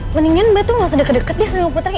mendingan mbak tuh gak sedeket deket deh sama putri